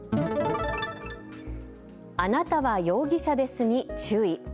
あなたは容疑者ですに注意。